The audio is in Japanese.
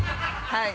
はい。